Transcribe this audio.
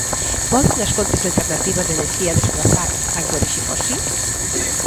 Poden as fontes alternativas de enerxía desprazar ás de orixe fósil?